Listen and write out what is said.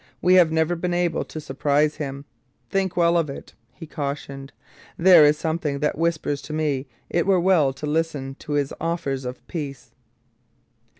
We have never been able to surprise him. Think well of it,' he cautioned; 'there is something that whispers to me it were well to listen to his offers of peace.'